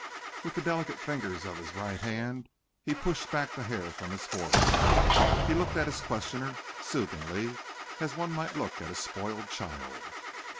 With the delicate fingers of his right hand he pushed back the hair from his forehead. He looked at his questioner soothingly, as one might look at a spoiled child.